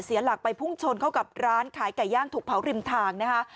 หลักไปพุ่งชนเข้ากับร้านขายไก่ย่างถูกเผาริมทางนะคะ